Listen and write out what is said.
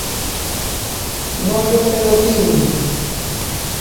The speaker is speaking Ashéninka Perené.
Noyoperotimi.